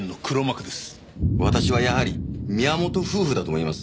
私はやはり宮本夫婦だと思います。